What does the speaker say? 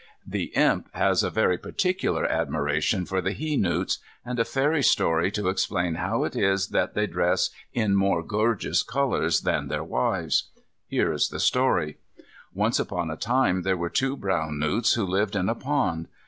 The Imp has a very particular admiration for the he newts, and a fairy story to explain how it is that they dress in more gorgeous colours than their wives. Here is the story: Once upon a time there were two brown newts who lived in a pond.